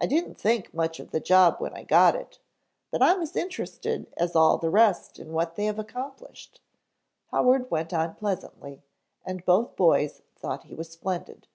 I didn't think much of the job when I got it, but I'm as interested as all the rest in what they have accomplished," Howard went on pleasantly, and both boys thought he was splendid.